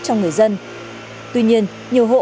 trong người dân tuy nhiên nhiều hộ